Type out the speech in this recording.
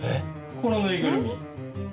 このぬいぐるみ。